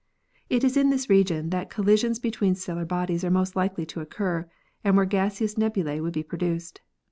It is in this region that collisions between stellar bodies are most likely to occur and where gaseous nebulae would be produced.